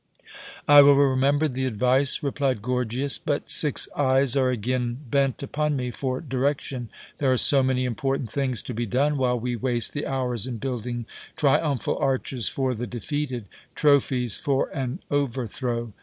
"I will remember the advice," replied Gorgias. "But six eyes are again bent upon me for direction. There are so many important things to be done while we waste the hours in building triumphal arches for the defeated trophies for an overthrow.